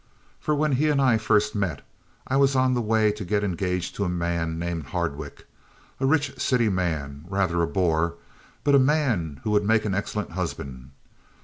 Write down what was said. For when he and I first met I was on the way to get engaged to a man, named Hardwicke a rich city man, rather a bore, but a man who would make an excellent husband.